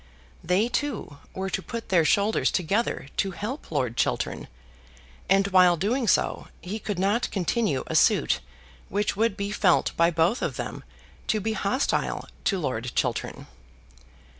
They two were to put their shoulders together to help Lord Chiltern, and while doing so he could not continue a suit which would be felt by both of them to be hostile to Lord Chiltern.